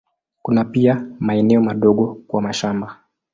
Kuna pia maeneo madogo kwa mashamba.